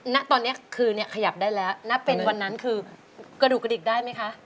ณตอนนี้คือเนี่ยขยับได้แล้วนับเป็นวันนั้นคือกระดูกกระดิกได้ไหมคะ